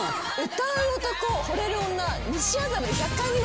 歌う男ほれる女。